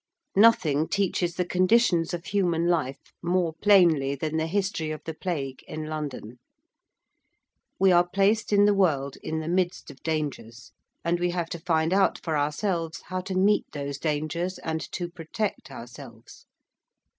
Nothing teaches the conditions of human life more plainly than the history of the Plague in London. We are placed in the world in the midst of dangers, and we have to find out for ourselves how to meet those dangers and to protect ourselves.